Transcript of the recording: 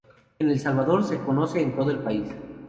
En El Salvador, se conoce en todo el país.